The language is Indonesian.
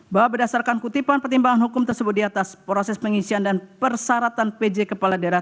bahwa berdasarkan kutipan pertimbangan hukum tersebut di atas proses pengisian dan persyaratan pj kepala daerah